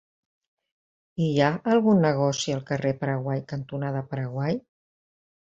Hi ha algun negoci al carrer Paraguai cantonada Paraguai?